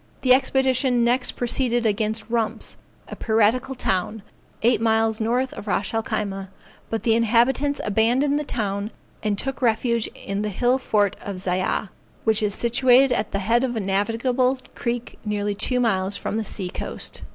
The expedition next proceeded against Rumps, a piratical town, eight miles north of Ras el Khyma, but the inhabitants abandoned the town and took refuge in the hill fort of Zyah, which is situated at the head of a navigable creek nearly two miles from the sea coast.